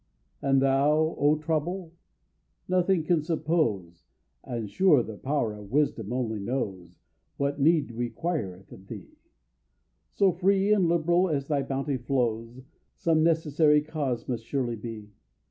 And thou, O Trouble? nothing can suppose (And sure the Power of Wisdom only knows), What need requireth thee: So free and liberal as thy bounty flows, Some necessary cause must surely be.